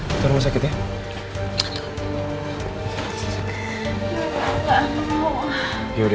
kita ke rumah sakit ya